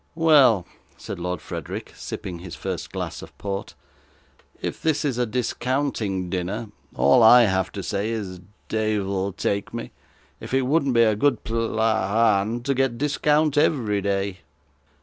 'Well,' said Lord Frederick, sipping his first glass of port, 'if this is a discounting dinner, all I have to say is, deyvle take me, if it wouldn't be a good pla an to get discount every day.